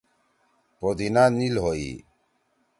پودینا نیِل ہوئی۔